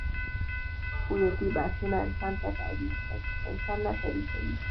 هویتي بحثونه انسان نه تعریفوي.